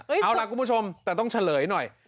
เอาล่ะคุณผู้ชมแต่ต้องเฉลยหน่อย